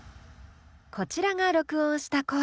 こちらが録音した声。